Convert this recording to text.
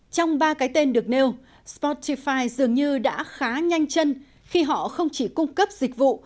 trong ba cái tên được nêu sportify dường như đã khá nhanh chân khi họ không chỉ cung cấp dịch vụ